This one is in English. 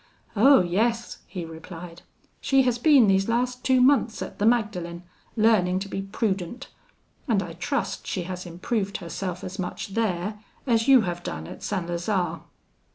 'Oh! yes,' he replied, 'she has been these last two months at the Magdalen learning to be prudent, and I trust she has improved herself as much there, as you have done at St. Lazare!'